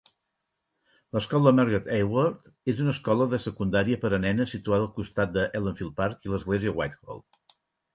L'escola Margret Aylward és una escola de secundària per a nenes situada al costat del Ellenfield Park i l'església Whitehall.